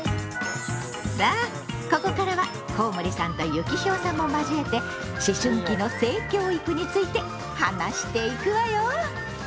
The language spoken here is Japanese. さあここからはコウモリさんとユキヒョウさんも交えて思春期の性教育について話していくわよ。